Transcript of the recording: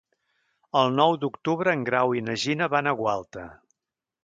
El nou d'octubre en Grau i na Gina van a Gualta.